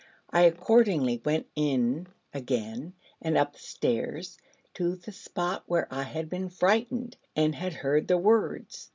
I accordingly went in again, and up the stairs to the spot where I had been frightened, and had heard the words.